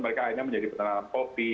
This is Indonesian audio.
mereka akhirnya menjadi peternal kopi